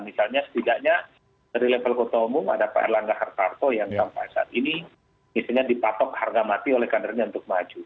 misalnya setidaknya dari level kota umum ada pak erlangga hartarto yang sampai saat ini misalnya dipatok harga mati oleh kadernya untuk maju